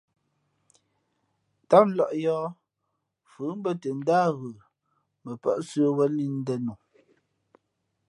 Tám lᾱʼ yōh, fʉ mbᾱ tα ndáh ghə, mα pά sə̌wēn lǐʼ ndēn nu.